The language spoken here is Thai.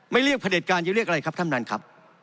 เรียกพระเด็จการจะเรียกอะไรครับท่านท่านครับ